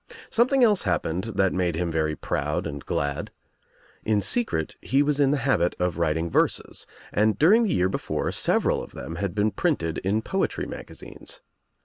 Something else happened that made him very proud and glad. In secret he was in the habit of writing verses and during the year before several of them had been printed in poetry magazines.